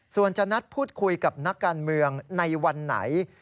ส่วนจะนัดพูดคุยกับนักการเมืองในวันไหน